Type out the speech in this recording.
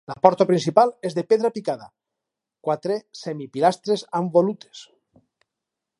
La porta principal és de pedra picada, quatre semi pilastres amb volutes.